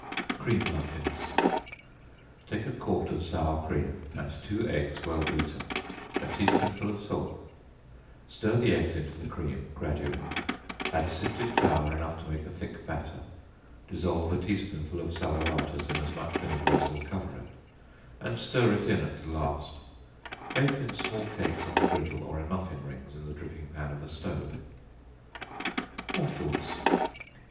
Cream Muffins. Take a quart of sour cream, and two eggs well beaten, a tea spoonful of salt; stir the eggs into the cream, gradually; add sifted flour enough to make a thick batter, dissolve a tea spoonful of salaeratus in as much vinegar as will cover it, and stir it in at the last; bake in small cakes on the griddle, or in muffin rings in the dripping pan of a stove. Waffles.